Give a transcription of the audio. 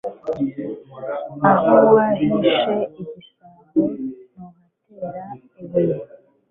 Aho wahishe igisabo, ntuhatera ibuye.